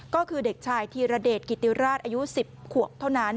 ก็คือเด็กชายธีรเดชกิติราชอายุ๑๐ขวบเท่านั้น